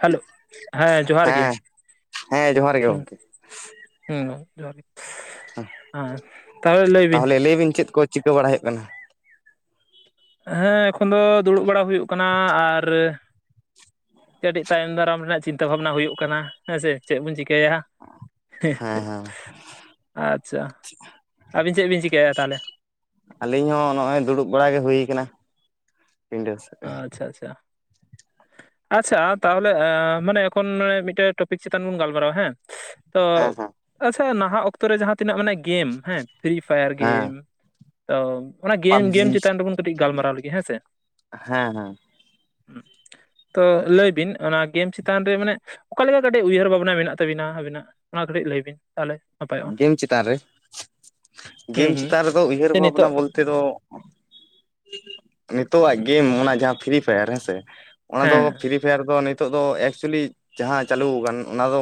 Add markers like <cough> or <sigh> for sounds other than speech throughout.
Hello ᱦᱮᱸ ᱡᱚᱦᱟᱨ ᱜᱮ ᱦᱮᱸ ᱡᱚᱦᱟᱨ ᱜᱮ ᱦᱩ ᱜᱚᱢᱠᱮ ᱦᱮ ᱡᱚᱦᱟᱨ ᱜᱮ ᱦᱮᱸ ᱛᱟᱦᱚᱞᱮ ᱞᱟᱹᱭ ᱵᱤᱱ ᱞᱟᱹᱭ ᱵᱤᱱ ᱪᱮᱫ ᱠᱚ ᱪᱤᱠᱟᱹ ᱵᱟᱲᱟ ᱦᱩᱭᱩᱜ ᱠᱟᱱᱟ ᱦᱮᱸ ᱮᱠᱷᱚᱱ ᱫᱚ ᱫᱩᱲᱩᱵ ᱵᱟᱲᱟ ᱦᱩᱭᱩᱜ ᱠᱟᱱᱟ ᱟᱨ ᱠᱟᱹᱴᱤᱡ ᱛᱟᱭᱚᱢ ᱫᱟᱨᱟᱢ ᱨᱮᱱᱟᱜ ᱪᱤᱱᱛᱟᱹ ᱵᱷᱟᱵᱱᱟ ᱦᱩᱭᱩᱜ ᱠᱟᱱᱟ ᱦᱮᱸ ᱥᱮ ᱪᱮᱫ ᱵᱚᱱ ᱪᱤᱠᱟᱹᱭᱟ ᱦᱮᱸ ᱦᱮᱸ ᱟᱪᱪᱷᱟ ᱟᱹᱵᱤᱱ ᱪᱮᱫ ᱵᱤᱱ ᱪᱤᱠᱟᱭᱟ ᱛᱟᱦᱚᱞᱮ ᱟᱹᱞᱤᱧ ᱦᱚᱸ ᱱᱚᱜᱚᱭ ᱫᱩᱲᱩᱵ ᱵᱟᱲᱟ ᱜᱮ ᱦᱩᱭᱠᱟᱱᱟ ᱟᱪᱪᱷᱟ ᱟᱪᱪᱷᱟ᱾ ᱟᱪᱪᱷᱟ ᱛᱟᱦᱚᱞᱮ ᱢᱟᱱᱮ ᱮᱠᱷᱚᱱ ᱢᱤᱫᱴᱮᱱ ᱴᱚᱯᱤᱠ ᱪᱮᱛᱟᱱ ᱵᱚᱱ ᱜᱟᱞᱢᱟᱨᱟᱣ-ᱟ ᱦᱮᱸ, ᱛᱚ ᱦᱮᱸ ᱦᱮᱸ ᱟᱪᱪᱷᱟ ᱱᱟᱦᱟᱜ ᱚᱠᱛᱚ ᱨᱮ ᱡᱟᱦᱟᱸ ᱛᱤᱱᱟᱹᱜ ᱱᱟᱸᱜ ᱜᱮᱢ ᱦᱮᱸ ᱯᱷᱨᱤ ᱯᱷᱟᱭᱟᱨ ᱦᱮᱸ ᱜᱮᱢ, ᱛᱚ ᱚᱱᱟ ᱜᱮᱢ ᱜᱮᱢ ᱯᱟᱵᱡᱤ ᱪᱮᱛᱟᱱ ᱨᱮᱵᱚᱱ ᱠᱟᱹᱴᱤᱡ ᱜᱟᱞᱢᱟᱨᱟᱣ ᱞᱮᱜᱮ ᱦᱮᱸ ᱥᱮ᱾ ᱦᱮᱸ ᱦᱮᱸ, ᱦᱩᱸ <unintelligible> ᱛᱚ ᱞᱟᱹᱭ ᱵᱤᱱ ᱚᱱᱟ ᱜᱮᱢ ᱪᱮᱛᱟᱱ ᱨᱮ ᱢᱟᱱᱮ ᱚᱠᱟ ᱞᱮᱠᱟ ᱠᱟᱹᱴᱤᱡ ᱩᱭᱦᱟᱹᱨ ᱵᱷᱟᱵᱱᱟ ᱢᱮᱱᱟᱜ ᱛᱟᱵᱤᱱᱟ ᱟᱵᱤᱱᱟᱜ ᱚᱱᱟ ᱠᱟᱹᱴᱤᱡ ᱞᱟᱹᱭ ᱵᱤᱱ ᱛᱟᱦᱚᱞᱮ? ᱱᱟᱯᱟᱭᱚᱜᱼᱟ ᱜᱮᱢ ᱪᱮᱛᱟᱱ ᱨᱮ ᱦᱩᱸ ᱜᱮᱢ ᱦᱩᱸ ᱪᱮᱛᱟᱱ ᱨᱮᱫᱚ ᱩᱭᱦᱟᱹᱨ ᱡᱮ ᱵᱷᱟᱵᱱᱟ ᱱᱤᱛᱚᱜ ᱵᱚᱞᱛᱮ ᱛᱮᱫᱚ ᱱᱤᱛᱚᱜ ᱟᱜ ᱜᱮᱢ ᱚᱱᱟ ᱡᱟᱦᱟᱸ ᱯᱷᱤᱨᱤ ᱯᱷᱟᱭᱟᱨ ᱦᱮᱸᱥᱮ, ᱚᱱᱟ ᱫᱚ ᱦᱮᱸ ᱯᱷᱤᱨᱤ ᱯᱷᱟᱭᱟᱨ ᱫᱚ ᱱᱤᱛᱚᱜ ᱫᱚ ᱮᱠᱪᱮᱞᱤ ᱡᱟᱦᱟᱸ ᱪᱟᱹᱞᱩ ᱟᱠᱟᱱ ᱚᱱᱟ ᱫᱚ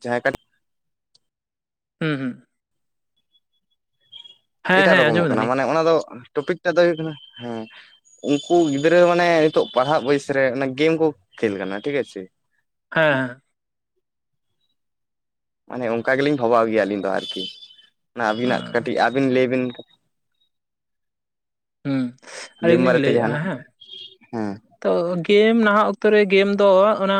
ᱡᱟᱦᱟᱸᱭ ᱦᱩᱸ ᱦᱩᱸ, ᱦᱮᱸ ᱮᱴᱟᱜ ᱦᱮᱸ ᱨᱚᱠᱚᱢᱚᱜ ᱟᱸᱡᱚᱢ ᱠᱟᱱᱟ ᱫᱟᱞᱤᱧ ᱢᱟᱱᱮ ᱚᱱᱟ ᱫᱚ ᱴᱚᱯᱤᱠ ᱴᱟᱜ ᱫᱚ ᱦᱩᱭᱩᱜ ᱠᱟᱱᱟ ᱦᱮᱸ ᱩᱱᱠᱩ ᱜᱤᱫᱽᱨᱟᱹ ᱢᱟᱱᱮ ᱱᱤᱛᱚᱜ ᱯᱟᱲᱦᱟᱜ ᱵᱚᱭᱮᱥ ᱨᱮ ᱜᱮᱢ ᱠᱚ ᱠᱷᱮᱞ ᱠᱟᱱᱟ ᱴᱷᱤᱠ ᱟᱪᱷᱮ, ᱦᱮᱸ, ᱢᱟᱱᱮ ᱚᱱᱠᱟ ᱜᱮᱞᱤᱧ ᱵᱷᱟᱵᱟᱣ ᱜᱮᱭᱟ ᱟᱹᱞᱤᱧ ᱫᱚ ᱟᱨᱠᱤ᱾ ᱚᱱᱟ ᱟᱹᱵᱤᱱᱟᱜ ᱠᱟᱹᱴᱤᱡ ᱟᱹᱵᱤᱱ ᱞᱟᱹᱭ ᱵᱤᱱ ᱦᱩᱸ ᱜᱮᱢ ᱟᱹᱞᱤᱧ ᱞᱤᱧ ᱵᱟᱨᱮᱛᱮ ᱞᱟᱹᱭᱮᱜᱼᱟ ᱡᱟᱦᱟᱱᱟᱜ? ᱦᱮᱸ ᱦᱮᱸ ᱛᱚ ᱜᱮᱢ ᱱᱟᱦᱟᱜ ᱚᱠᱛᱚᱨ ᱨᱮ ᱜᱮᱢ ᱫᱚ ᱚᱱᱟ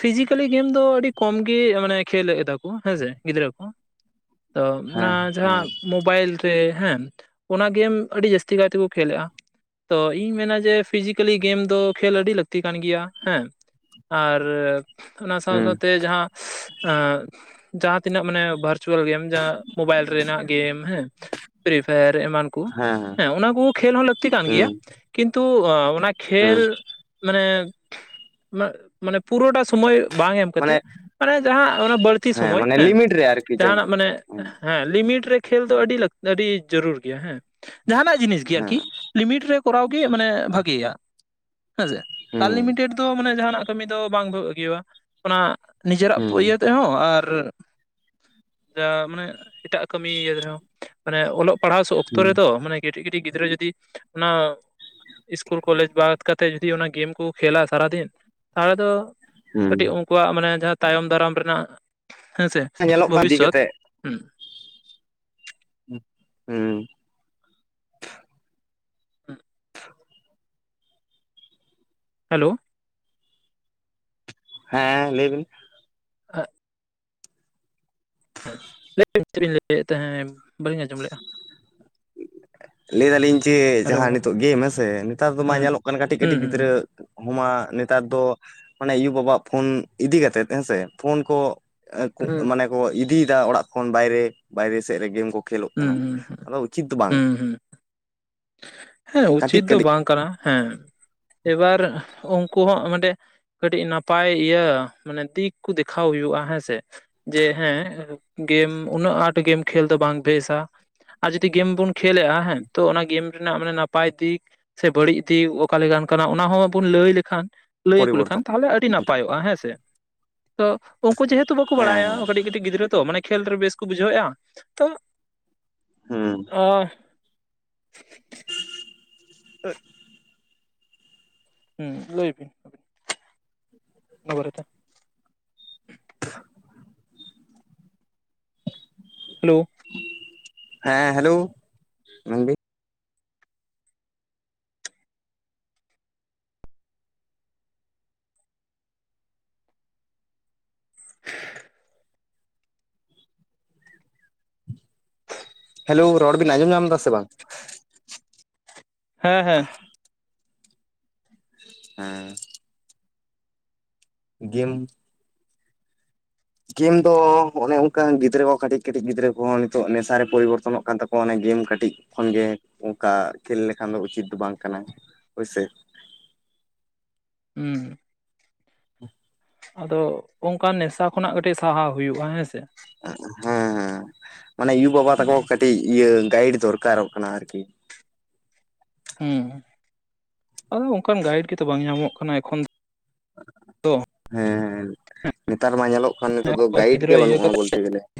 ᱯᱷᱤᱡᱤᱠᱮᱞᱤ ᱜᱮᱢ ᱫᱚ ᱟᱹᱰᱤ ᱠᱚᱢ ᱜᱮ ᱢᱟᱱᱮ ᱠᱷᱮᱞᱫᱟ ᱠᱚ ᱦᱮᱸᱥᱮ ᱜᱤᱫᱽᱨᱟᱹ ᱠᱚ, ᱛᱚ ᱚᱱᱟ ᱦᱮᱸ ᱦᱮᱸ ᱡᱟᱦᱟᱸ ᱢᱳᱵᱟᱭᱤᱞ ᱨᱮ ᱦᱮᱸ ᱚᱱᱟ ᱜᱮᱢ ᱟᱹᱰᱤ ᱡᱟᱹᱥᱛᱤ ᱠᱟᱭ ᱛᱮᱠᱚ ᱠᱷᱮᱞᱮᱟ᱾ ᱛᱚ ᱤᱧ ᱢᱮᱱᱟ ᱡᱮ ᱯᱷᱤᱡᱤᱠᱮᱞᱤ ᱜᱮᱢ ᱫᱚ ᱠᱷᱮᱞ ᱟᱹᱰᱤ ᱞᱟᱹᱠᱛᱤ ᱠᱟᱱ ᱜᱮᱭᱟ ᱦᱮᱸ ᱟᱨ ᱚᱱᱟ ᱥᱟᱶ ᱦᱩᱸ ᱥᱟᱶᱛᱮ ᱡᱟᱦᱟᱸ ᱮᱸ ᱡᱟᱦᱟᱸᱛᱤᱱᱟᱹᱜ ᱢᱟᱱᱮ ᱵᱷᱟᱨᱪᱩᱣᱟᱮᱞ ᱜᱮᱢ ᱡᱟᱦᱟᱸ ᱢᱳᱵᱟᱭᱤᱞ ᱨᱮᱱᱟᱜ ᱜᱮᱢ ᱦᱮᱸ ᱯᱷᱨᱤ ᱯᱷᱟᱭᱟᱨ ᱮᱢᱟᱱ ᱠᱚ ᱦᱮᱸ ᱚᱱᱟ ᱠᱚ ᱠᱷᱮᱞ ᱦᱚᱸ ᱞᱟᱹᱠᱛᱤ ᱠᱟᱱ ᱜᱮᱭᱟ᱾ ᱦᱩᱸ ᱠᱤᱱᱛᱩ ᱚᱱᱟ ᱠᱷᱮᱞ ᱦᱩᱸ ᱢᱟᱱᱮ ᱢᱟᱱᱮ ᱯᱩᱨᱟᱹᱴᱟ ᱥᱚᱢᱚᱭ ᱵᱟᱝ ᱮᱢ ᱠᱟᱛᱮ ᱢᱟᱱᱮ ᱢᱟᱱᱮ ᱡᱟᱦᱟᱸ ᱚᱱᱟ ᱵᱟᱹᱲᱛᱤ ᱥᱚᱢᱚᱭ ᱢᱟᱱᱮ ᱦᱮᱸ ᱞᱤᱢᱤᱴ ᱨᱮ ᱟᱨᱠᱤ ᱡᱟᱹᱱᱤᱡ ᱡᱟᱦᱟᱱᱟᱜ ᱢᱟᱱᱮ ᱦᱮᱸ ᱞᱤᱢᱤᱴ ᱨᱮ ᱠᱷᱮᱞ ᱫᱚ ᱟᱹᱰᱤ <unintelligible> ᱟᱹᱰᱤ ᱡᱟᱹᱨᱩᱲ ᱜᱮᱭᱟ ᱦᱮᱸ ᱡᱟᱦᱟᱱᱟᱜ ᱡᱤᱱᱤᱥ ᱜᱮ ᱦᱮᱸ ᱟᱨᱠᱤ᱾ ᱞᱤᱢᱤᱴ ᱨᱮ ᱠᱚᱨᱟᱣ ᱜᱮ ᱢᱟᱱᱮ ᱵᱷᱟᱜᱮᱭᱟ᱾ ᱦᱮᱸᱥᱮ ᱦᱩᱸ ᱟᱱᱞᱤᱢᱤᱴᱮᱰ ᱫᱚ ᱢᱟᱱᱮ ᱡᱟᱦᱟᱱᱟᱜ ᱠᱟᱹᱢᱤ ᱫᱚ ᱵᱟᱝ ᱵᱷᱟᱜᱤᱣᱟ ᱾ ᱚᱱᱟ ᱱᱤᱡᱮᱨᱟᱜ ᱦᱩᱸ ᱤᱭᱟᱹ ᱛᱮᱦᱚᱸ ᱟᱨ <inaudible> ᱢᱟᱱᱮ ᱮᱴᱟᱜ ᱠᱟᱹᱢᱤ ᱤᱭᱟᱹ ᱨᱮᱦᱚᱸ ᱢᱟᱱᱮ ᱚᱞᱚᱜ ᱯᱟᱲᱦᱟᱣ ᱚᱠᱛᱚ ᱦᱩᱸ ᱨᱮᱫᱚ ᱢᱟᱱᱮ ᱠᱟᱹᱴᱤᱡ ᱠᱟᱹᱴᱤᱡ ᱜᱤᱫᱽᱨᱟᱹ ᱡᱩᱫᱤ ᱚᱱᱟ ᱤᱥᱠᱩᱞ ᱠᱚᱞᱮᱡ ᱵᱟᱫ ᱠᱟᱛᱮ ᱡᱩᱫᱤ ᱚᱱᱟ ᱜᱮᱢ ᱠᱚ ᱠᱷᱮᱞᱟ ᱥᱟᱨᱟᱫᱤᱱ ᱛᱟᱦᱚᱞᱮ ᱫᱚ ᱦᱩᱸ ᱠᱟᱹᱴᱤᱡ ᱟᱠᱚᱣᱟᱜ ᱢᱟᱱᱮ ᱡᱟᱦᱟᱸ ᱛᱟᱭᱚᱢ ᱫᱟᱨᱟᱢ ᱨᱮᱱᱟᱜ ᱦᱮᱸᱥᱮ ᱧᱮᱞᱚᱜ ᱠᱟᱱ ᱤᱫᱤ ᱵᱷᱚᱵᱤᱥᱚᱛ ᱠᱟᱛᱮᱜ ᱦᱩᱸ <unintelligible> ᱦᱮᱞᱳ᱾ ᱦᱮᱸ ᱞᱟᱹᱭ ᱵᱤᱱ, <unintelligible> ᱞᱟᱹᱭᱵᱤᱱ ᱪᱮᱫ ᱵᱤᱱ ᱞᱟᱹᱭᱮᱫ ᱛᱟᱦᱮᱸᱫ ᱵᱟᱹᱞᱤᱧ ᱟᱸᱡᱚᱢ ᱞᱮᱫ-ᱟ᱾ ᱞᱟᱹᱭ ᱫᱟᱞᱤᱧ ᱡᱮ ᱦᱮᱞᱳ ᱡᱟᱦᱟᱸ ᱱᱤᱛᱚᱜ ᱜᱮᱢ ᱦᱮᱥᱮ ᱱᱮᱛᱟᱨ ᱫᱚ ᱢᱟ ᱦᱮᱸ ᱧᱮᱞᱚᱜ ᱠᱟᱱᱟ ᱠᱟᱹᱴᱤᱡ ᱦᱩᱸ ᱠᱟᱹᱴᱤᱡ ᱦᱩᱸ ᱦᱩᱸ ᱜᱤᱫᱽᱨᱟᱹ <inaudible> ᱱᱮᱛᱟᱨ ᱫᱚ ᱟᱱᱮ ᱟᱭᱩ ᱵᱟᱵᱟᱜ ᱯᱷᱳᱱ ᱤᱫᱤ ᱠᱟᱛᱮᱫ ᱦᱮᱸᱥᱮ ᱯᱷᱳᱱ ᱠᱚ ᱦᱮᱸ ᱢᱟᱱᱮ ᱠᱚ ᱤᱫᱤᱭᱮᱫᱟ ᱚᱲᱟᱜ ᱠᱷᱚᱱ ᱵᱟᱭᱨᱮ ᱵᱟᱭᱨᱮ ᱥᱮᱫ ᱨᱮ ᱜᱮᱢ ᱠᱚ ᱠᱷᱮᱞᱳᱜ ᱦᱩᱸ ᱠᱟᱱᱟ ᱦᱩᱸ ᱾ ᱟᱫᱚ ᱩᱪᱤᱛ ᱫᱚ ᱵᱟᱝ ᱦᱩᱸ ᱦᱩᱸ ᱦᱮᱸ ᱠᱟᱹᱴᱤᱡ ᱩᱪᱤᱛ ᱫᱚ ᱠᱟᱹᱴᱤᱡ ᱵᱟᱝ ᱠᱟᱱᱟ ᱦᱮᱸ <inaudible> ᱮᱵᱟᱨ ᱩᱱᱠᱩ ᱦᱚᱸ ᱢᱟᱱᱮ ᱠᱟᱹᱴᱤᱡ ᱱᱟᱯᱟᱭ ᱤᱭᱟᱹ ᱢᱟᱱᱮ ᱫᱤᱠ ᱠᱚ ᱫᱮᱠᱷᱟᱣ ᱦᱩᱭᱩᱜ-ᱟ ᱦᱮᱸᱥᱮ ᱾ ᱡᱮ ᱦᱮᱸ ᱜᱮᱢ ᱩᱱᱟᱹᱜ ᱟᱸᱴ ᱜᱮᱢ ᱠᱷᱮᱞ ᱫᱚ ᱵᱟᱝ ᱵᱮᱥᱟ ᱾ ᱟᱨ ᱡᱩᱫᱤ ᱜᱮᱢ ᱵᱚᱱ ᱠᱷᱮᱞᱮᱜ-ᱟ ᱦᱮᱸ, ᱛᱚ ᱚᱱᱟ ᱜᱮᱢ ᱨᱮᱱᱟᱜ ᱢᱟᱱᱮ ᱱᱟᱯᱟᱭ ᱫᱤᱠ ᱥᱮ ᱵᱟᱹᱲᱤᱡ ᱫᱤᱠ ᱚᱠᱟ ᱞᱮᱠᱟᱱ ᱠᱟᱱᱟ ᱚᱱᱟ ᱦᱚᱸᱵᱚᱱ ᱞᱟᱹᱭ ᱞᱮᱠᱷᱟᱱ ᱞᱟᱹᱭ ᱟᱠᱚ ᱯᱚᱨᱤᱵᱚᱨᱛᱚᱱ ᱞᱮᱠᱷᱟᱱ ᱛᱟᱦᱚᱞᱮ ᱟᱹᱰᱤ ᱱᱟᱯᱟᱭᱚᱜ-ᱟ ᱦᱮᱸ ᱥᱮ ᱾ ᱛᱚ ᱩᱱᱠᱩ ᱡᱮᱦᱮᱛᱩ ᱵᱟᱠᱚ ᱵᱟᱲᱟᱭᱟ, ᱦᱮᱸ ᱠᱟᱹᱴᱤᱡ ᱠᱟᱹᱴᱤᱡ ᱜᱤᱫᱽᱨᱟᱹ ᱛᱚ ᱢᱟᱱᱮ ᱠᱷᱮᱞ ᱨᱮ ᱵᱮᱥ ᱠᱚ ᱵᱩᱡᱷᱟᱹᱣᱮᱫ-ᱟ ᱛᱚ ᱦᱮᱸ <inaudible> ᱟ ᱦᱮᱸ ᱾ ᱦᱮᱸ ᱞᱟᱹᱭ ᱵᱤᱱ <inaudible> ᱚᱱᱟ ᱵᱟᱨᱮ ᱛᱮ ᱾ <inaudible> ᱦᱮᱞᱳ ᱾ <inaudible> ᱦᱮᱸ ᱦᱮᱞᱳ ᱾ <inaudible> ᱢᱮᱱ ᱵᱤ ᱦᱮᱞᱳ, ᱨᱚᱲ ᱵᱤᱱ ᱟᱸᱡᱚᱢ ᱧᱟᱢ ᱮᱫᱟ ᱥᱮ ᱵᱟᱝ? <inaudible> ᱦᱮᱸ ᱦᱮᱸ ᱾ ᱦᱮᱸ ᱾ ᱜᱮᱢ ᱜᱮᱢ ᱫᱚ ᱚᱱᱮ ᱚᱱᱠᱟ ᱜᱤᱫᱽᱨᱟᱹ ᱠᱚ ᱠᱟᱹᱴᱤᱡ ᱠᱟᱹᱴᱤᱡ ᱜᱤᱫᱽᱨᱟᱹ ᱠᱚᱦᱚᱸ ᱱᱤᱛᱚᱜ ᱱᱮᱥᱟ ᱨᱮ ᱯᱚᱨᱤᱵᱚᱨᱛᱚᱱᱚᱜ ᱠᱟᱱ ᱛᱟᱠᱚᱣᱟ ᱚᱱᱮ ᱜᱮᱢ ᱠᱟᱹᱴᱤᱡ ᱠᱷᱚᱱ ᱜᱮ ᱚᱱᱠᱟ ᱠᱷᱮᱞ ᱞᱮᱠᱷᱟᱱ ᱫᱚ ᱩᱪᱤᱛ ᱫᱚ ᱵᱟᱝ ᱠᱟᱱᱟ ᱦᱳᱭ ᱥᱮ ᱾ ᱦᱩᱸ ᱾ <inaudible> ᱟᱫᱚ ᱚᱱᱠᱟᱱ ᱱᱮᱥᱟ ᱠᱷᱚᱱᱟᱜ ᱠᱟᱹᱴᱤᱡ ᱥᱟᱦᱟᱜ ᱦᱩᱭᱩᱜ-ᱟ ᱦᱮᱸᱥᱮ ᱾ ᱦᱮᱸ ᱦᱮᱸ ᱾ ᱢᱟᱱᱮ ᱭᱩ-ᱵᱟᱵᱟ ᱛᱟᱠᱚ ᱦᱩᱸ ᱠᱟᱹᱴᱤᱡ ᱤᱭᱟᱹ ᱜᱟᱭᱤᱰ ᱫᱚᱨᱠᱟᱨᱚᱜ ᱠᱟᱱᱟ ᱟᱨᱠᱤ ᱾ ᱦᱮᱸ ᱾ <inaudible> ᱟᱫᱚ ᱚᱱᱠᱟᱱ ᱜᱟᱭᱤᱰ ᱜᱮᱛᱚ ᱵᱟᱝ ᱧᱟᱢᱚᱜ ᱠᱟᱱᱟ ᱮᱠᱷᱚᱱ ᱫᱚ <inaudible> ᱦᱮᱸ ᱦᱮᱸ ᱱᱮᱛᱟᱨ ᱢᱟ ᱧᱮᱞᱚᱜ ᱠᱷᱟᱱ ᱱᱤᱛᱳᱜ ᱫᱚ ᱜᱟᱭᱤᱰ ᱜᱤᱫᱽᱨᱟᱹ ᱜᱮ ᱤᱭᱟᱹ ᱵᱟᱹᱱᱩᱜ-ᱟ ᱠᱟᱛᱮ ᱵᱚᱞᱛᱮ ᱜᱮᱞᱮ ᱾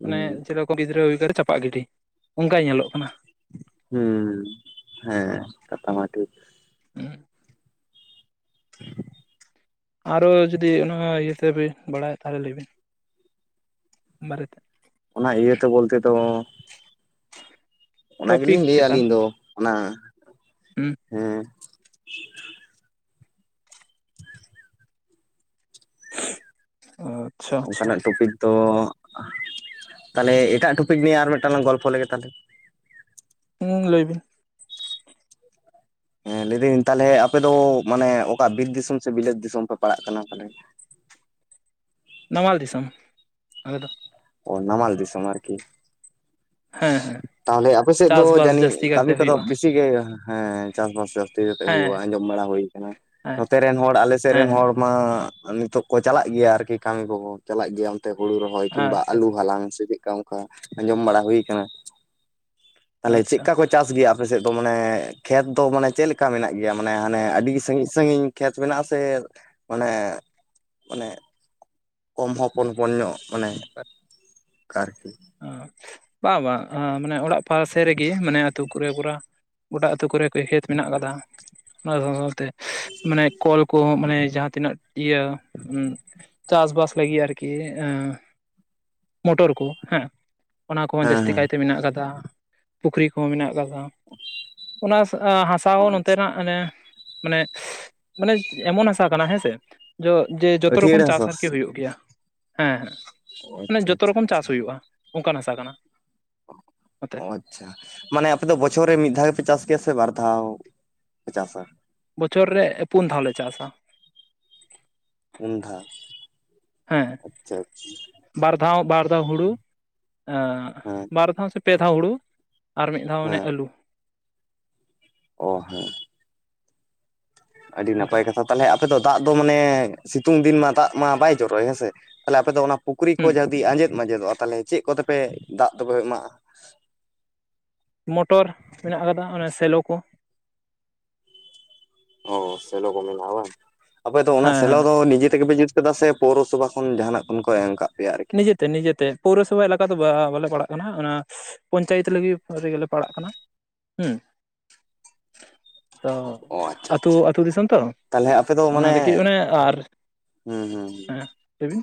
ᱦᱩᱸ <unintelligible> ᱠᱚ ᱜᱤᱫᱽᱨᱟᱹ ᱦᱩᱭ ᱠᱟᱛᱮᱫ ᱪᱟᱯᱟᱜ ᱜᱤᱰᱤ ᱚᱱᱠᱟᱭ ᱧᱮᱞᱚᱜ ᱠᱟᱱᱟ ᱾ ᱦᱩᱸ ᱦᱮᱸ ᱠᱟᱛᱷᱟ ᱢᱟ ᱴᱷᱤᱠ ᱾ ᱩᱸᱜ <inaudible> ᱟᱨᱚ ᱡᱩᱫᱤ ᱚᱱᱟ ᱤᱭᱟᱹ ᱛᱮᱵᱤᱱ ᱵᱟᱲᱟᱭᱟ ᱛᱟᱦᱚᱞᱮ ᱞᱟᱹᱭ ᱵᱤᱱ ᱾ <inaudible> ᱵᱟᱨᱮᱛᱮ <inaudible> ᱚᱱᱟ ᱤᱭᱟᱹ ᱛᱮ ᱵᱚᱞᱛᱮ ᱫᱚ ᱚᱱᱟ ᱜᱮ ᱴᱚᱯᱤᱠ ᱞᱤᱧ ᱞᱟᱹᱭᱟ ᱪᱮᱛᱟᱱ ᱟᱹᱞᱤᱧ ᱫᱚ ᱚᱱᱟ ᱦᱩᱸ <inaudible> ᱦᱮᱸ ᱾ ᱟᱪᱪᱷᱟ ᱟᱪᱪᱷᱟ ᱚᱱᱠᱟᱱᱟᱜ ᱴᱚᱯᱤᱠ ᱫᱚ <inaudible> ᱛᱟᱦᱚᱞᱮ ᱮᱴᱟᱜ ᱴᱚᱯᱤᱠ ᱱᱤᱭᱮ ᱟᱨ ᱢᱤᱫᱴᱟᱝ ᱞᱟᱝ ᱜᱚᱞᱯᱚ ᱞᱮᱜᱮ ᱛᱟᱦᱚᱞᱮ ᱾ ᱦᱩᱝ ᱞᱟᱹᱭ ᱵᱤᱱ ᱾ ᱦᱮᱸ ᱞᱟᱹᱭ ᱫᱟᱹᱧ ᱛᱟᱦᱚᱞᱮ ᱟᱯᱮ ᱫᱚ ᱢᱟᱱᱮ ᱚᱠᱟ ᱵᱤᱨ ᱫᱤᱥᱚᱢ ᱥᱮ ᱵᱤᱞᱟᱹᱛ ᱫᱤᱥᱚᱢ ᱯᱮ ᱯᱟᱲᱟᱜ ᱠᱟᱱᱟ ᱛᱟᱞᱦᱮ? ᱱᱟᱢᱟᱞ ᱫᱤᱥᱚᱢ <inaudible> ᱟᱞᱮ ᱫᱚ ᱾ ᱚ ᱱᱟᱢᱟᱞ ᱫᱤᱥᱚᱢ ᱟᱨᱠᱤ ᱾ ᱦᱮᱸ ᱦᱮᱸ ᱛᱟᱦᱞᱮ ᱟᱯᱮ ᱥᱮᱫ ᱫᱚ ᱪᱟᱥᱵᱟᱥ ᱡᱟᱹᱱᱤᱡ ᱡᱟᱹᱥᱛᱤ ᱠᱟᱹᱢᱤ ᱠᱟᱨᱛᱮ ᱠᱚᱫᱚ ᱦᱩᱭᱩᱜᱼᱟ ᱵᱮᱥᱤ ᱜᱮ ᱦᱮᱸ ᱪᱟᱥᱵᱟᱥ ᱡᱟᱹᱥᱛᱤ ᱠᱟᱛᱮ ᱦᱩᱭᱩᱜ-ᱟ ᱦᱮᱸ ᱟᱸᱡᱚᱢ ᱵᱟᱲᱟ ᱦᱩᱭ ᱟᱠᱟᱱᱟ ᱾ ᱦᱮᱸ ᱱᱚᱛᱮ ᱨᱮᱱ ᱦᱚᱲ ᱟᱞᱮ ᱥᱮᱫ ᱨᱮᱱ ᱦᱚᱲ ᱦᱮᱸ ᱢᱟ ᱱᱤᱛᱚᱜ ᱠᱚ ᱪᱟᱞᱟᱜ ᱜᱮᱭᱟ ᱟᱨᱠᱤ ᱠᱟᱹᱢᱤ ᱠᱚ ᱦᱚᱸ ᱪᱟᱞᱟᱜ ᱜᱮᱭᱟ ᱚᱱᱛᱮ ᱦᱩᱲᱩ ᱨᱚᱦᱚᱭ ᱠᱤᱝᱵᱟ ᱟᱪᱪᱷᱟ ᱟᱹᱞᱩ ᱟᱪᱪᱷᱟ ᱦᱟᱞᱟᱝ ᱥᱮ ᱪᱮᱫᱠᱟ ᱦᱮᱸ ᱟᱸᱡᱚᱢ ᱵᱟᱲᱟ ᱦᱩᱭ ᱟᱠᱟᱱᱟ ᱾ <inaudible> ᱛᱟᱦᱚᱞᱮ ᱟᱪᱪᱷᱟ ᱪᱮᱫᱠᱟ ᱠᱚ ᱪᱟᱥ ᱜᱮᱭᱟ ᱟᱯᱮ ᱥᱮᱫ ᱫᱚ ᱢᱟᱱᱮ ᱠᱷᱮᱛ ᱫᱚ ᱢᱟᱱᱮ ᱪᱮᱫ ᱞᱮᱠᱟ ᱢᱮᱱᱟᱜ ᱜᱮᱭᱟ, ᱢᱟᱱᱮ ᱦᱟᱱᱮ ᱟᱹᱰᱤ ᱥᱟᱺᱜᱤᱧ ᱥᱟᱺᱜᱤᱧ ᱠᱷᱮᱛ ᱢᱮᱱᱟᱜ-ᱟ ᱥᱮ ᱢᱟᱱᱮ ᱢᱟᱱᱮ ᱠᱚᱢ ᱦᱚᱯᱚᱱ ᱦᱚᱯᱚᱱ ᱧᱚᱜ ᱢᱟᱱᱮ ᱟᱨᱠᱤ᱾ ᱚᱸ ᱵᱟᱝ ᱵᱟᱝ ᱢᱟᱱᱮ ᱚᱲᱟᱜ ᱯᱟᱥᱮ ᱨᱮᱜᱮ ᱢᱟᱱᱮ ᱟᱹᱛᱩ ᱠᱚ ᱨᱮ ᱯᱚᱨᱟ ᱜᱚᱴᱟ ᱟᱹᱛᱩ ᱠᱚᱨᱮ <unintelligible> ᱠᱷᱮᱛ ᱢᱮᱱᱟᱜ ᱟᱠᱟᱫᱟ ᱚᱱᱟ ᱥᱟᱶ ᱥᱟᱶ ᱛᱮ ᱢᱟᱱᱮ ᱠᱚᱞ ᱠᱚᱦᱚᱸ ᱢᱟᱱᱮ ᱡᱟᱦᱟᱸ ᱛᱤᱱᱟᱹᱜ ᱤᱭᱟᱹ ᱪᱟᱥᱵᱟᱥ ᱞᱟᱹᱜᱤᱫ ᱟᱨᱠᱤ ᱮᱸ ᱢᱚᱴᱚᱨ ᱠᱚ᱾ ᱦᱮᱸ ᱚᱱᱟ ᱠᱚᱦᱚᱸ ᱡᱟᱹᱥᱛᱤ ᱠᱟᱭᱛᱮ ᱢᱮᱱᱟᱜ ᱠᱟᱫᱟ ᱯᱩᱠᱷᱨᱤ ᱠᱚᱦᱚᱸ ᱢᱮᱱᱟᱜ ᱠᱟᱫᱟ᱾ ᱚᱱᱟ ᱦᱟᱥᱟ ᱦᱚᱸ ᱱᱚᱛᱮ ᱱᱟᱜ ᱟᱱᱮ ᱢᱟᱱᱮ ᱢᱟᱱᱮ ᱮᱢᱚᱱ ᱦᱟᱥᱟ ᱠᱟᱱᱟ ᱦᱮᱸᱥᱮ ᱡᱚ ᱡᱮ ᱡᱚᱛᱚ ᱟᱹᱴᱷᱭᱟᱹᱲ ᱨᱚᱠᱚᱢ ᱦᱟᱥᱟ ᱪᱟᱥ ᱥᱮ ᱟᱨᱠᱤ ᱪᱮᱫ? ᱦᱩᱭᱩᱜ ᱜᱮᱭᱟ ᱦᱮᱸ ᱦᱮᱸ ᱚ ᱢᱟᱱᱮ ᱟᱪᱪᱷᱟ ᱡᱚᱛᱚ ᱟᱪᱪᱷᱟ ᱨᱚᱠᱚᱢ ᱟᱪᱪᱷᱟ ᱪᱟᱥ ᱠᱚᱜᱼᱟ ᱚᱱᱠᱟᱱ ᱦᱟᱥᱟ ᱠᱟᱱᱟ᱾ ᱱᱚᱛᱮ ᱚ ᱟᱪ ᱪᱷᱟ ᱢᱟᱱᱮ ᱟᱯᱮ ᱫᱚ ᱵᱚᱪᱷᱚᱨ ᱨᱮ ᱢᱤᱫ ᱫᱷᱟᱣ ᱜᱮᱯᱮ ᱪᱟᱥ ᱜᱮᱭᱟ ᱥᱮ ᱵᱟᱨ ᱫᱷᱟᱣ ᱯᱮ ᱪᱟᱥᱟ? ᱵᱚᱪᱷᱚᱨ ᱨᱮ ᱯᱩᱱ ᱫᱷᱟᱣ ᱞᱮ ᱪᱟᱥᱟ᱾ ᱯᱩᱱ ᱫᱷᱟᱣ ᱦᱮᱸ ᱟᱪᱪᱷᱟ᱾ ᱟᱪᱪᱷᱟ ᱵᱟᱨ ᱫᱷᱟᱣ ᱵᱟᱨ ᱫᱷᱟᱣ ᱦᱩᱲᱩ ᱟ ᱦᱮᱸ ᱵᱟᱨ ᱫᱷᱟᱣ ᱥᱮ ᱯᱮ ᱫᱷᱟᱣ ᱦᱩᱲᱩ ᱟᱨ ᱢᱤᱫ ᱫᱷᱟᱣ ᱚᱱᱮ ᱦᱮᱸ ᱟᱹᱞᱩ᱾ ᱚ ᱦᱮᱸ ᱟᱹᱰᱤ ᱚᱱᱠᱟ ᱱᱟᱯᱟᱭ ᱠᱟᱛᱷᱟ ᱛᱟᱦᱚᱞᱮ ᱟᱯᱮ ᱫᱚ ᱫᱟᱜ ᱫᱚ ᱢᱟᱱᱮ ᱥᱤᱛᱩᱝ ᱫᱤᱱ ᱢᱟ ᱫᱟᱜ ᱢᱟ ᱵᱟᱭ ᱡᱚᱨᱚᱭ ᱦᱮᱸᱥᱮ ᱛᱟᱦᱮ ᱟᱯᱮ ᱫᱚ ᱚᱱᱟ ᱯᱩᱠᱷᱨᱤ ᱠᱚ ᱦᱩᱸ ᱡᱩᱫᱤ ᱟᱸᱡᱮᱫ ᱢᱟᱡᱮᱫᱚᱜ-ᱟ ᱛᱟᱦᱚᱞᱮ ᱪᱮᱫ ᱠᱚᱛᱮ ᱯᱮ ᱫᱟᱜ ᱫᱚᱯᱮ ᱮᱢᱟᱜ-ᱟ? ᱢᱚᱴᱚᱨ ᱢᱮᱱᱟᱜ ᱟᱠᱟᱫᱟ ᱚᱱᱮ ᱥᱮᱞᱚ ᱠᱚ᱾ ᱚ ᱥᱮᱞᱚ ᱠᱚ ᱢᱮᱱᱟᱜ-ᱟ ᱵᱟᱝ ᱟᱯᱮ ᱫᱚ ᱚᱱᱟ ᱦᱮᱸ ᱥᱮᱞᱚ ᱦᱮᱸ ᱫᱚ ᱱᱤᱡᱮ ᱛᱮᱜᱮ ᱯᱮ ᱡᱩᱛ ᱪᱮᱫᱟᱜ ᱥᱮ ᱯᱳᱨᱚᱥᱚᱵᱷᱟ ᱠᱷᱚᱱ ᱡᱟᱦᱟᱱᱟᱜ ᱠᱷᱚᱱ ᱠᱚ ᱮᱢ ᱠᱟᱜ ᱯᱮᱭᱟ ᱟᱨᱠᱤ? ᱱᱤᱡᱮ ᱛᱮ ᱱᱤᱡᱮ ᱛᱮ ᱯᱳᱣᱨᱚᱥᱚᱵᱷᱟ ᱮᱞᱟᱠᱟ ᱫᱚ ᱵᱟᱞᱮ ᱯᱟᱲᱟᱜ ᱠᱟᱱᱟ ᱚᱱᱟ ᱯᱚᱧᱪᱟᱭᱮᱛ ᱞᱟᱹᱜᱤᱫ ᱨᱮᱜᱮ ᱞᱮ ᱯᱟᱲᱟᱜ ᱠᱟᱱᱟ ᱦᱮᱸ᱾ ᱛᱚ <inaudible> ᱚ ᱟᱪᱪᱷᱟ ᱟᱹᱛᱩ ᱟᱪᱪᱷᱟ ᱟᱹᱛᱩ ᱫᱤᱥᱚᱢ ᱛᱚ ᱛᱟᱦᱚᱞᱮ ᱟᱯᱮ ᱫᱚ ᱚᱱᱟ ᱢᱟᱱᱮ ᱨᱮᱜᱮ ᱚᱱᱮ ᱦᱩᱸ ᱦᱩᱸ ᱦᱩᱸ ᱞᱟᱹᱭ ᱵᱤᱱ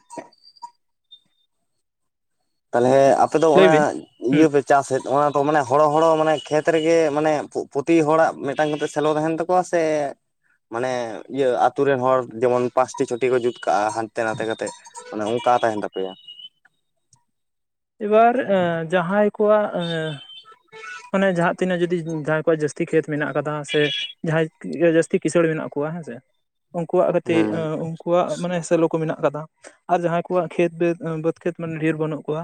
ᱛᱟᱦᱚᱞᱮ ᱟᱯᱮ ᱫᱚ ᱚᱱᱟ ᱞᱟᱹᱭᱵᱤᱱ ᱦᱮᱸ ᱤᱭᱟᱹ ᱯᱮ ᱪᱟᱥᱮᱫ ᱚᱱᱟ ᱛᱚ ᱢᱟᱱᱮ ᱦᱚᱲᱚ ᱦᱚᱲᱚ ᱢᱟᱱᱮ ᱠᱷᱮᱛ ᱨᱮᱜᱮ ᱢᱟᱱᱮ ᱯᱨᱚᱛᱤ ᱦᱚᱲᱟᱜ ᱢᱤᱫᱴᱟᱝ ᱠᱟᱛᱮ ᱥᱮᱞᱚ ᱛᱟᱦᱮᱱ ᱛᱟᱠ ᱠᱚᱣᱟ ᱥᱮ ᱢᱟᱱᱮ ᱤᱭᱟᱹ ᱟᱛᱩ ᱨᱮᱱ ᱦᱚᱲ ᱡᱮᱢᱚᱱ ᱯᱟᱸᱪᱴᱤ ᱪᱷᱚᱴᱤ ᱠᱚ ᱡᱩᱛ ᱠᱟᱜ-ᱟ ᱦᱟᱱᱛᱮ ᱱᱟᱛᱮ ᱠᱟᱛᱮ ᱚᱱᱮ ᱚᱱᱠᱟ ᱛᱟᱦᱮᱱ ᱛᱟᱯᱮᱭᱟ᱾ ᱢᱤᱫ ᱵᱟᱨ ᱮᱸ ᱡᱟᱦᱟᱸᱭ ᱠᱚᱣᱟᱜ ᱮᱸ ᱟᱱᱮ ᱡᱟᱦᱟᱸ ᱛᱤᱱᱟᱹᱜ ᱡᱩᱫᱤ ᱡᱟᱦᱟᱸᱭ ᱠᱚᱣᱟᱜ ᱡᱟᱹᱥᱛᱤ ᱠᱷᱮᱛ ᱢᱮᱱᱟᱜ ᱠᱟᱫᱟ ᱥᱮ ᱡᱟᱦᱟᱸᱭ ᱤᱡᱟᱹ ᱡᱟᱹᱥᱛᱤ ᱠᱤᱥᱟᱹᱬ ᱢᱮᱱᱟᱜ ᱠᱚᱣᱟ ᱦᱮᱸ ᱥᱮ ᱩᱝᱠᱩᱣᱟᱜ ᱜᱟᱛᱤᱜ ᱦᱩᱸ <unintelligible> ᱠᱚᱣᱟᱜ ᱢᱟᱱᱮ ᱥᱮᱞᱳ ᱠᱚ ᱢᱮᱱᱟᱜ ᱠᱟᱫᱟ ᱟᱨ ᱡᱟᱦᱟᱸᱭ ᱠᱚᱣᱟᱜ ᱠᱷᱮᱛ ᱵᱮᱫᱽ ᱵᱟᱹᱫᱽ ᱠᱷᱮᱛ ᱢᱟᱱᱮ ᱰᱷᱮᱨ ᱵᱟᱹᱱᱩᱜ ᱠᱚᱣᱟ᱾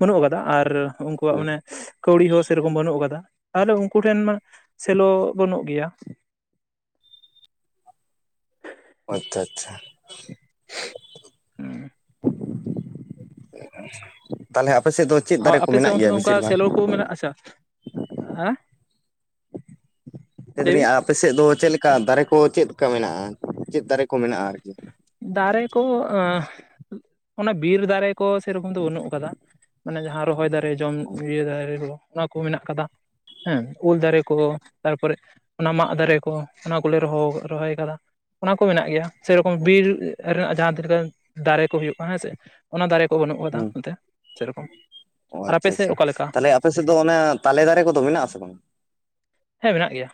ᱵᱟᱹᱱᱩᱜ ᱠᱟᱫᱟ ᱟᱨ ᱩᱝᱠᱩᱣᱟᱜ ᱦᱩᱸ ᱢᱟᱱᱮ ᱠᱟᱹᱣᱲᱤ ᱦᱚᱸ ᱥᱮᱨᱠᱚᱢ ᱵᱟᱹᱱᱩᱜ ᱟᱠᱟᱫᱟ ᱛᱟᱦᱚᱞᱮ ᱩᱱᱠᱩ ᱴᱷᱮᱱ ᱢᱟ ᱥᱮᱞᱳ ᱵᱟᱹᱱᱩᱜ ᱜᱮᱭᱟ᱾ ᱟᱪᱪᱷᱟ ᱟᱪᱪᱷᱟ ᱛᱟᱦᱞᱮ ᱟᱯᱮ ᱥᱮᱫ ᱫᱚ ᱪᱮᱫ ᱦᱚᱸ ᱫᱟᱨᱮ ᱠᱚ ᱟᱯᱮ ᱥᱮᱜ ᱢᱮᱱᱟᱜ ᱚᱱᱛᱮ ᱜᱮᱭᱟ ᱢᱟ ᱚᱝᱠᱟ ᱵᱮᱥᱤᱨ ᱵᱷᱟᱜᱽ ᱥᱮᱞᱳ ᱠᱳ ᱢᱮᱱᱟᱜ ᱟᱪᱪᱷᱟ ᱟᱸ ᱞᱟᱹᱭᱵᱤᱱ <unintelligible> ᱟᱯᱮ ᱥᱮᱫᱽ ᱫᱚ ᱪᱮᱫ ᱞᱮᱠᱟ ᱫᱟᱨᱮ ᱠᱚ ᱪᱮᱫᱽ ᱠᱟ ᱢᱮᱱᱟᱜᱼᱟ ᱪᱮᱫᱽ ᱫᱟᱨᱮ ᱠᱚ ᱢᱮᱱᱟᱜᱼᱟ ᱟᱨᱠᱤ? ᱫᱟᱨᱮ ᱠᱚ ᱟᱹ ᱚᱱᱟ ᱵᱤᱨ ᱫᱟᱨᱮ ᱠᱚ ᱥᱮᱨᱚᱠᱚᱢ ᱫᱚ ᱵᱟᱹᱱᱩᱜ ᱟᱠᱟᱫᱟ ᱢᱟᱱᱮ ᱡᱟᱦᱟᱸ ᱨᱚᱦᱚᱭ ᱫᱟᱨᱮ ᱡᱚᱢ ᱤᱭᱟᱹ ᱫᱟᱨᱮ ᱠᱚ ᱚᱱᱟ ᱠᱚ ᱢᱮᱱᱟᱜ ᱟᱠᱟᱫᱟ ᱦᱮᱸ, ᱩᱞ ᱫᱟᱨᱮ ᱠᱚ ᱛᱟᱨᱯᱚᱨᱮ ᱚᱱᱟ ᱢᱟᱜ ᱫᱟᱨᱮ ᱠᱚ, ᱚᱱᱟ ᱠᱚᱞᱮ ᱨᱚᱦᱚᱣ ᱨᱚᱦᱚᱭ ᱠᱟᱫᱟ᱾ ᱚᱱᱟ ᱠᱚ ᱢᱮᱱᱟᱜ ᱜᱮᱭᱟ᱾ ᱥᱮᱨᱚᱠᱚᱢ ᱵᱤᱨ ᱨᱮᱱᱟᱜ ᱡᱟᱦᱟᱸ ᱛᱤᱱᱟᱹᱜ ᱜᱟᱱ ᱫᱟᱨᱮ ᱠᱚ ᱦᱩᱭᱩᱜ ᱢᱟ ᱦᱮᱸ ᱥᱮ ᱚᱱᱟ ᱫᱟᱨᱮ ᱠᱚ ᱵᱟᱹᱱᱩᱜ ᱠᱟᱫᱟ ᱦᱩᱸ ᱱᱚᱛᱮ ᱥᱮᱨᱠᱚᱢ ᱚ ᱟᱪᱪᱷᱟ ᱟᱪᱪᱷᱟ, ᱛᱟᱦᱞᱮ ᱟᱯᱮ ᱥᱮᱫᱽ ᱫᱚ ᱚᱱᱟ ᱛᱟᱞᱮ ᱫᱟᱨᱮ ᱠᱚᱫᱚ ᱢᱮᱱᱟᱜ ᱟᱥᱮ ᱵᱟᱝ? ᱦᱮᱸ ᱢᱮᱱᱟᱜ ᱜᱮᱭᱟ᱾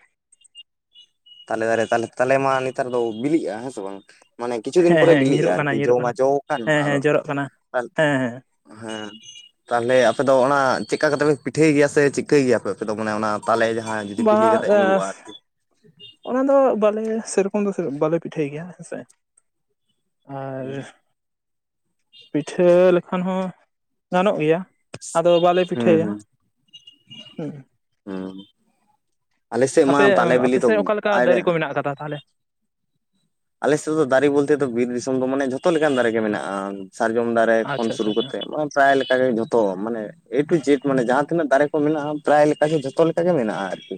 ᱛᱟᱞᱮ ᱫᱟᱨᱮ ᱛᱟᱞᱮ ᱢᱟ ᱱᱮᱛᱟᱨ ᱫᱚ ᱵᱤᱞᱤᱜᱼᱟ ᱦᱮᱸ ᱥᱮ ᱵᱟᱝ? ᱢᱟᱱᱮ ᱠᱤᱪᱷᱩ ᱫᱤᱱ ᱦᱮᱸ ᱯᱚᱨᱮ ᱦᱮᱸ ᱵᱤᱞᱤᱜᱼᱟ, ᱧᱤᱨᱚᱜ ᱠᱟᱱᱟ ᱟᱨᱠᱤ ᱡᱚ ᱧᱤᱨᱚᱜ ᱢᱟ ᱠᱟᱱᱟ ᱡᱚ ᱟᱠᱟᱱ ᱦᱮᱸ ᱦᱮᱸ ᱟᱫᱚ ᱡᱚᱨᱚᱜ ᱠᱟᱱᱟ ᱦᱮᱸ ᱦᱮᱸ ᱦᱮᱸ ᱛᱟᱦᱞᱮ ᱟᱯᱮᱫᱚ ᱚᱱᱟ ᱪᱮᱜᱠᱟ ᱠᱟᱛᱮ ᱯᱮ ᱯᱤᱴᱷᱟᱹᱭ ᱜᱮᱭᱟ ᱥᱮ ᱪᱤᱠᱟᱹᱭ ᱜᱮᱭᱟᱯᱮ ᱟᱯᱮ ᱫᱚ? ᱢᱟᱱᱮ ᱚᱱᱟ ᱛᱟᱞᱮ ᱡᱟᱦᱟᱸ ᱡᱩᱫᱤ ᱵᱤᱞᱤ ᱠᱟᱛᱮᱜ ᱵᱟᱝᱟ ᱧᱩᱨᱩᱜᱼᱟ ᱟᱨᱠᱤ? ᱚᱱᱟ ᱫᱚ ᱵᱟᱞᱮ ᱥᱮᱨᱠᱚᱢ ᱫᱚ ᱵᱟᱞᱮ ᱯᱤᱴᱷᱟᱹᱭ ᱜᱮᱭᱟ ᱦᱮᱸ ᱥᱮ ᱟᱨ ᱯᱤᱴᱷᱟᱹ ᱞᱮᱠᱷᱟᱱ ᱦᱚᱸ ᱜᱟᱱᱚᱜ ᱜᱮᱭᱟ᱾ ᱟᱫᱚ ᱵᱟᱞᱮ ᱦᱩᱸ ᱯᱤᱴᱷᱟᱹᱭᱟ ᱦᱩᱸ, ᱦᱚᱸ ᱟᱞᱮ ᱥᱮᱜ ᱢᱟ ᱛᱟᱞᱮ ᱵᱤᱞᱤ ᱫᱚ ᱟᱨᱤᱭᱟᱜ- ᱟ ᱠᱟᱛᱷᱟ ᱛᱟᱦᱞᱮ ᱟᱞᱮ ᱥᱮᱫ ᱫᱚ ᱫᱟᱨᱮ ᱵᱚᱞᱛᱮ ᱫᱚ ᱵᱤᱨ ᱫᱤᱥᱚᱢ ᱫᱚ ᱢᱟᱱᱮ ᱡᱷᱚᱛᱚ ᱞᱮᱠᱟᱱ ᱫᱟᱨᱮ ᱜᱮ ᱢᱮᱱᱟᱜᱼᱟ, ᱥᱟᱨᱡᱚᱢ ᱫᱟᱨᱮ ᱠᱷᱚᱱ ᱟᱪᱪᱷᱟ ᱥᱩᱨᱩ ᱟᱪᱪᱷᱟ ᱟᱪᱪᱷᱟ ᱠᱟᱛᱮ ᱯᱨᱟᱭ ᱞᱮᱠᱟ ᱜᱮ ᱡᱷᱚᱛᱚ ᱢᱟᱱᱮ ᱮ ᱴᱩ ᱡᱮᱴ ᱢᱟᱱᱮ ᱡᱟᱦᱟᱸ ᱛᱤᱱᱟᱹᱜ ᱫᱟᱨᱮ ᱠᱚ ᱢᱮᱱᱟᱜᱼᱟ᱾ ᱯᱨᱟᱭ ᱞᱮᱠᱟ ᱜᱮ ᱡᱷᱚᱛᱚ ᱞᱮᱠᱟ ᱜᱮ ᱢᱮᱱᱟᱜᱼᱟ, ᱟᱹᱨᱠᱤ᱾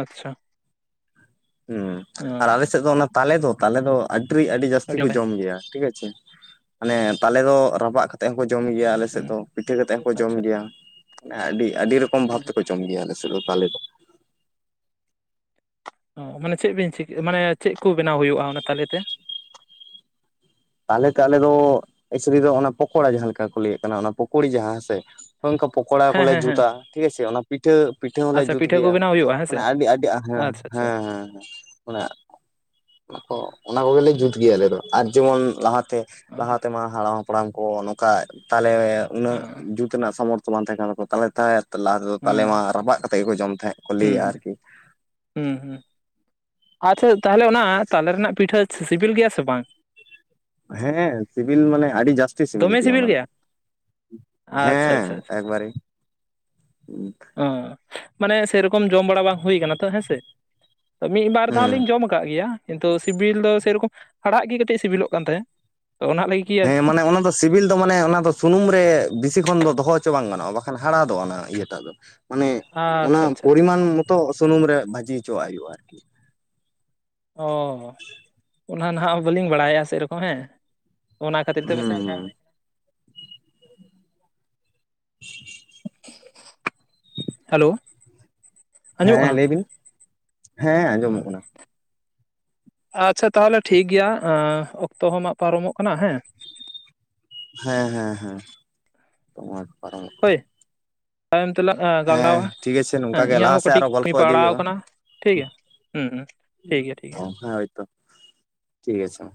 ᱟᱪᱪᱷᱟ᱾ ᱦᱚᱸ ᱟᱨ ᱚᱸ ᱟᱞᱮ ᱥᱮᱫ ᱫᱚ ᱚᱱᱟ ᱛᱟᱞᱮ ᱫᱚ ᱛᱟᱞᱮ ᱫᱚ ᱟᱹᱰᱤᱨᱤ ᱟᱹᱰᱤ ᱡᱟᱹᱥᱛᱤ ᱠᱚ ᱡᱚᱢ ᱜᱮᱭᱟ ᱴᱷᱤᱜ ᱟᱪᱷᱮ᱾ ᱢᱟᱱᱮ ᱛᱟᱞᱮ ᱫᱚ ᱨᱟᱯᱟᱜ ᱠᱟᱛᱮᱜ ᱦᱚᱸᱠᱚ ᱡᱚᱢ ᱜᱮᱭᱟ᱾ ᱟᱞᱮ ᱥᱮᱫ ᱦᱩᱸ ᱫᱚ ᱯᱤᱴᱷᱟᱹ ᱠᱟᱛᱮᱜ ᱦᱚᱸᱠᱚ ᱡᱚᱢ ᱟᱪᱪᱷᱟ ᱜᱮᱭᱟ᱾ ᱟᱹᱰᱤ ᱟᱹᱰᱤ ᱨᱚᱠᱚᱢ ᱵᱷᱟᱵᱽ ᱦᱩᱸ ᱦᱩᱸ ᱛᱮᱠᱚ ᱡᱚᱢ ᱜᱮᱭᱟ᱾ ᱟᱞᱮ ᱥᱮᱫ ᱫᱚ ᱛᱟᱞᱮ ᱫᱚ᱾ ᱚ ᱢᱟᱱᱮ ᱪᱮᱫ ᱵᱤᱱ ᱪᱤᱠ? ᱢᱟᱱᱮ ᱪᱮᱜ ᱠᱳ ᱵᱮᱱᱟᱣ ᱦᱩᱭᱩᱜᱼᱟ ᱚᱱᱟ ᱛᱟᱞᱮ ᱛᱮ? ᱛᱟᱞᱮ ᱛᱮ ᱟᱞᱮ ᱫᱚ ᱮᱠᱪᱩᱞᱤ ᱫᱚ ᱚᱱᱟ ᱯᱚᱠᱚᱲᱟ᱾ ᱡᱟᱦᱟᱸ ᱞᱮᱠᱟ ᱠᱚ ᱞᱟᱹᱭᱟᱜ ᱠᱟᱱᱟ ᱚᱱᱟ ᱯᱚᱠᱚᱲᱤ ᱡᱟᱦᱟᱸ ᱦᱮᱸ ᱥᱮ᱾ ᱚᱝᱠᱟ ᱯᱚᱠᱚᱲᱟ ᱜᱮ ᱠᱚ ᱦᱮᱸ ᱞᱟᱹᱭᱼᱟ, ᱦᱮᱸ ᱦᱮᱸ ᱡᱩᱛᱟ ᱴᱷᱤᱠ ᱟᱪᱷᱮ᱾ ᱚᱱᱟ ᱯᱤᱴᱷᱟᱹ ᱯᱤᱴᱷᱟᱹ ᱦᱚᱸᱞᱮ ᱟᱪᱪᱷᱟ ᱡᱩᱛ ᱯᱤᱴᱷᱟᱹ ᱠᱚ ᱜᱮᱭᱟ᱾ ᱵᱮᱱᱟᱣ ᱦᱩᱭᱩᱜᱼᱟ ᱦᱮᱸ ᱢᱟᱱᱮ ᱥᱮ ᱟᱹᱰᱤ ᱟᱹᱰᱤ ᱦᱮᱸ ᱦᱮᱸ ᱟᱪᱪᱷᱟ ᱟᱪᱪᱷᱟ ᱦᱮᱸ ᱦᱮᱸ᱾ ᱢᱟᱱᱮᱜ ᱚᱜ ᱚᱱᱟ ᱠᱚᱜᱽᱞᱮ ᱡᱩᱛ ᱜᱮᱭᱟ᱾ ᱟᱞᱮ ᱫᱚ ᱟᱨ ᱡᱮᱢᱚᱱ ᱞᱟᱦᱟ ᱛᱮ ᱞᱟᱦᱟ ᱚᱸ ᱛᱮᱢᱟ ᱦᱟᱲᱟᱢ- ᱦᱟᱯᱲᱟᱢ ᱠᱚ ᱱᱚᱝᱠᱟ ᱛᱟᱞᱮ ᱩᱱᱟᱹᱜ ᱚᱸ ᱡᱩᱛ ᱛᱮᱱᱟᱹᱜ ᱥᱟᱢᱚᱨᱛᱷᱚ ᱵᱟᱝ ᱛᱟᱦᱮᱸ ᱠᱟᱱ ᱛᱟᱠᱚᱣᱟ ᱛᱟᱦᱚᱞᱮ ᱛᱚ, ᱞᱟᱦᱟ ᱛᱮᱫᱚ ᱛᱟᱞᱮ ᱦᱮᱸ ᱢᱟ ᱟᱪᱪᱷᱟ ᱨᱟᱯᱟᱜ ᱟᱪᱪᱷᱟ ᱠᱟᱛᱮᱜ ᱜᱮᱠᱚ ᱡᱚᱢ ᱛᱟᱦᱮᱸᱜ᱾ ᱦᱩᱸ, ᱦᱩᱸ᱾ ᱦᱩᱸ, ᱦᱩᱸ᱾ ᱟᱪᱪᱷᱟ ᱛᱟᱦᱞᱮ ᱚᱱᱟ ᱛᱟᱞᱮ ᱨᱮᱱᱟᱜ ᱯᱤᱴᱷᱟᱹ ᱥᱤᱵᱤᱞ ᱜᱮᱭᱟ ᱥᱮ ᱵᱟᱝ? ᱦᱮᱸ, ᱥᱤᱵᱤᱞ ᱢᱟᱱᱮ ᱟᱹᱰᱤ ᱡᱟᱥᱛᱤ ᱥᱤᱵᱤᱞ ᱜᱮᱭᱟ, ᱚᱱᱟ ᱫᱚ᱾ ᱟᱪᱪᱷᱟ ᱦᱮᱸ ᱟᱪᱪᱷᱟ ᱟᱪᱪᱷᱟ ᱮᱠᱵᱟᱨᱮ ᱚ ᱢᱟᱱᱮ ᱥᱮᱨᱚᱠᱚᱢ ᱡᱚᱢ ᱵᱟᱲᱟ ᱵᱟᱝ ᱦᱩᱭ ᱠᱟᱱᱟ ᱛᱚ, ᱦᱮᱸᱥᱮ ᱢᱤᱫ ᱵᱟᱨ ᱫᱷᱟᱣ ᱦᱩᱸ ᱞᱤᱧ ᱡᱚᱢ ᱠᱟᱜ ᱜᱮᱭᱟ᱾ ᱠᱤᱱᱛᱩ ᱥᱤᱵᱤᱞ ᱫᱚ ᱥᱮᱨᱠᱚᱢ ᱦᱟᱲᱟᱜ ᱜᱮ ᱠᱟᱹᱴᱤᱡ ᱥᱤᱵᱤᱞᱚᱜ ᱠᱟᱱ ᱛᱟᱦᱮᱸ᱾ ᱦᱮᱸ ᱢᱟᱱᱮ, ᱚᱱᱟ ᱫᱚ ᱥᱤᱵᱤᱞ ᱫᱚ ᱢᱟᱱᱮ ᱚᱱᱟ ᱫᱚ ᱥᱩᱱᱩᱢ ᱨᱮ ᱵᱤᱥᱤ ᱠᱷᱚᱱ ᱫᱚ ᱫᱚᱦᱚ ᱦᱚᱪᱚ ᱵᱟᱝ ᱜᱟᱱᱚᱜᱼᱟ, ᱵᱟᱠᱷᱟᱱ ᱦᱟᱲᱟᱫᱚᱜ-ᱟ ᱚᱱᱟ ᱤᱭᱟᱹᱴᱟᱜ ᱫᱚ᱾ ᱢᱟᱱᱮ ᱚᱱᱟ ᱟᱪᱪᱷᱟ ᱟᱪᱪᱷᱟ ᱟᱪᱪᱷᱟ ᱯᱚᱨᱤᱢᱟᱱ ᱢᱚᱛᱚ ᱥᱩᱱᱩᱢ ᱨᱮ ᱵᱷᱟᱹᱡᱤ ᱦᱚᱪᱚᱣᱟᱜ ᱦᱩᱭᱩᱜᱼᱟ, ᱟᱨᱠᱤ᱾ ᱚ, ᱚᱱᱟ ᱱᱟᱦᱟᱜ ᱵᱟᱹᱞᱤᱧ ᱵᱟᱲᱟᱭᱟ ᱥᱮᱨᱚᱠᱚᱢ ᱦᱮᱸ ᱚᱱᱟ ᱠᱷᱟᱹᱛᱤᱨ ᱛᱮ ᱯᱟᱥᱮ ᱚᱱᱠᱟ ᱦᱩᱸ ᱦᱩᱭ <inaudible> ᱦᱮᱞᱳ? ᱟᱸᱡᱚᱢᱚᱜ ᱦᱮᱸ ᱠᱟᱱᱟ ᱞᱟᱹᱭ ᱵᱤᱱ, ᱦᱮᱸ ᱟᱸᱡᱚᱢᱚᱜ ᱠᱟᱱᱟ᱾ ᱟᱪᱪᱷᱟ ᱛᱟᱦᱞᱮ ᱴᱷᱤᱠ ᱜᱮᱭᱟ᱾ ᱚᱠᱛᱚ ᱦᱚᱸ ᱢᱟᱜ ᱯᱟᱨᱚᱢᱚᱜ ᱠᱟᱱᱟ ᱦᱮᱸ᱾ ᱦᱮᱸ ᱦᱮᱸ ᱦᱮᱸ, ᱱᱚᱣᱟ ᱜᱮ ᱯᱟᱨᱚᱢ ᱠᱟᱱᱟ᱾ ᱦᱳᱭ ᱛᱟᱭᱚᱢ ᱛᱮᱞᱟᱝ ᱦᱮᱸ ᱜᱟᱞᱟᱨᱟᱣᱟ ᱴᱷᱤᱠ ᱟᱪᱷᱮ ᱱᱚᱝᱠᱟ ᱦᱮᱸ ᱜᱮ ᱤᱧᱟᱹᱜ ᱞᱟᱦᱟ ᱦᱚᱸ ᱥᱮᱫ ᱟᱨᱚ ᱠᱟᱹᱴᱤᱡᱧ ᱜᱚᱞᱯᱚ ᱤᱫᱤ ᱯᱟᱲᱟᱣ ᱦᱩᱭᱩᱜᱼᱟ ᱟᱠᱟᱱᱟ ᱴᱷᱤᱠ ᱜᱮᱭᱟ ᱦᱩ ᱦᱩ ᱴᱷᱤᱠ ᱜᱮᱭᱟ ᱴᱷᱤᱠ ᱚ ᱜᱮᱭᱟ ᱦᱮᱸ ᱦᱳᱭᱛᱚ ᱴᱷᱤᱠ ᱟᱪᱪᱷᱮ ᱢᱟ